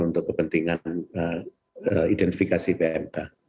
untuk kepentingan identifikasi pmk